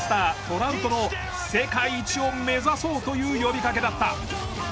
ラウトの「世界一を目指そう」という呼びかけだった。